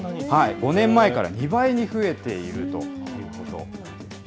５年前から２倍に増えているということなんですね。